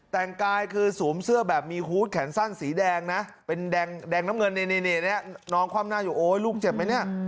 แต่กายคือสวมเสื้อแบบมีหูดแขนสั้นสีแดงเป็นแดงน้ำเงินลูกเจ็บไหม